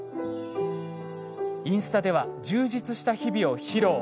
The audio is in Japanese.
インスタでは充実した日々を披露。